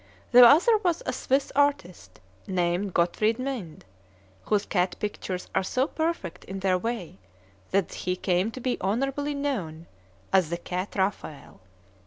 The other was a Swiss artist, named Gottfried Mind, whose cat pictures are so perfect in their way that he came to be honorably known as "the Cat Raphael."